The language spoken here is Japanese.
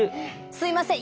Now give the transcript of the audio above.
すいません